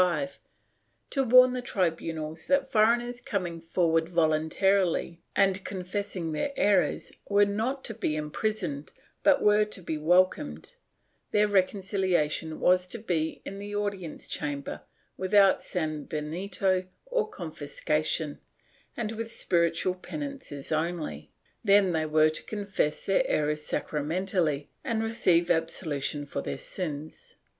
Ill] ADMISSION OF CONVERTS 477 1605, to warn the tribunals that foreigners coming forward volun tarily and confessing their errors were not to be imprisoned but were to be welcomed ; their reconciliation was to be in the audi ence chamber, without sanbenito or confiscation, and with spiritual penances only ; then they were to confess their errors sacramentally and receive absolution for their sins.